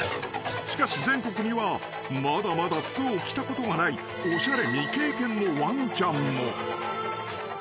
［しかし全国にはまだまだ服を着たことがないおしゃれ未経験のワンチャンも］